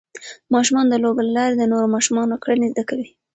ماشومان د لوبو له لارې د نورو ماشومانو کړنې زده کوي.